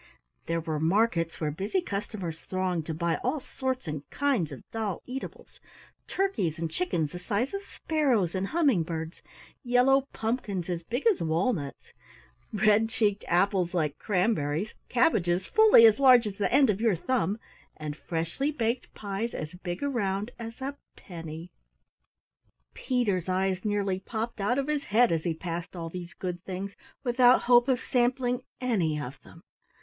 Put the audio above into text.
There were markets where busy customers thronged to buy all sorts and kinds of doll eatables, turkeys and chickens the size of sparrows and humming birds, yellow pumpkins as big as walnuts, red cheeked apples like cranberries, cabbages fully as large as the end of your thumb, and freshly baked pies as big around as a penny. Peter's eyes nearly popped out of his head as he passed all these good things without hope of sampling any of them!